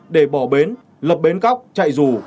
để bỏ bến lập bến cóc chạy rù